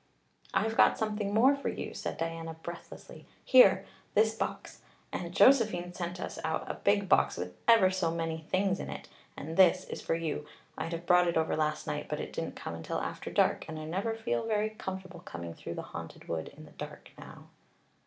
"I've got something more for you," said Diana breathlessly. "Here this box. Aunt Josephine sent us out a big box with ever so many things in it and this is for you. I'd have brought it over last night, but it didn't come until after dark, and I never feel very comfortable coming through the Haunted Wood in the dark now."